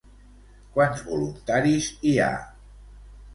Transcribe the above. Quants voluntaris hi ha?